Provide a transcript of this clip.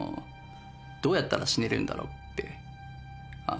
どうやったら死ねるんだろうって。